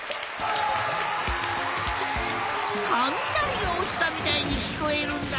かみなりがおちたみたいにきこえるんだ。